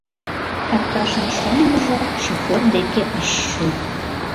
Аркашын шонымыжо шофёр деке ыш шу.